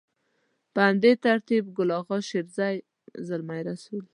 په همدې ترتيب ګل اغا شېرزي، زلمي رسول.